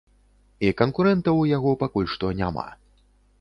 І канкурэнтаў у яго пакуль што няма.